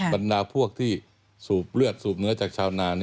บรรดาพวกที่สูบเลือดสูบเนื้อจากชาวนา